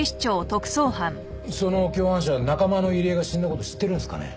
その共犯者は仲間の入江が死んだ事を知ってるんですかね？